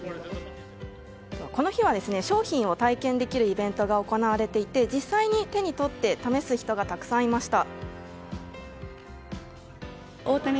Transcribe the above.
この日は、商品を体験できるイベントが行われていて実際に手に取って試す人がたくさんいました。